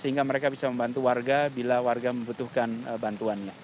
sehingga mereka bisa membantu warga bila warga membutuhkan bantuannya